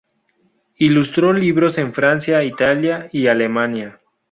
Ilustró libros en Francia, Italia y Alemania.